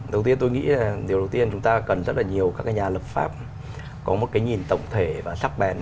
đầu tiên tôi nghĩ là điều đầu tiên chúng ta cần rất nhiều các nhà lập phạm có một cái nhìn tổng thể và sắc bèn